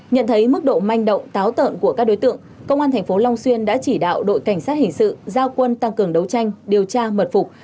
nhận thấy mức độ manh động táo tợn của các đối tượng công an thành phố long xuyên đã chỉ đạo đội cảnh sát hình sự giao quân tăng cường đấu tranh điều tra mật phục